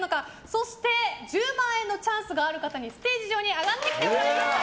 そして１０万円のチャンスがある方にステージ上に上がってきてもらいました。